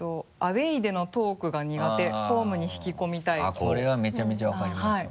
これはめちゃめちゃ分かりますよ。